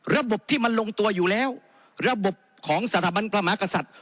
ระบบที่มันลงตัวอยู่แล้วระบบของสถาบันพระมหากษัตริย์